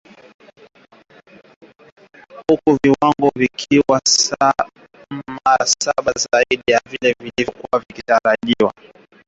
Huku viwango vikiwa mara saba zaidi ya vile vinavyoruhusiwa na Shirika la Afya Duniani , kulingana na ripoti ya ubora wa hewa iliyotolewa mwaka uliopita